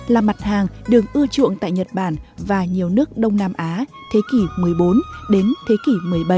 là mặt hàng đường ưa chuộng tại nhật bản và nhiều nước đông nam á thế kỷ một mươi bốn đến thế kỷ một mươi bảy